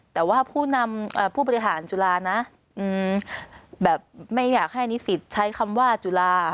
แต่ว่าผู้นำผู้บริหารจุฬานะแบบไม่อยากให้นิสิตใช้คำว่าจุฬา